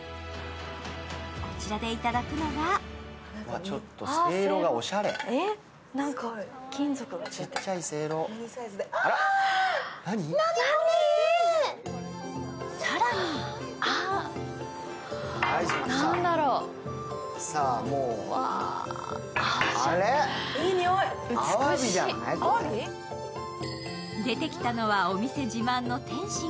こちらでいただくのが更に出てきたのはお店自慢の点心。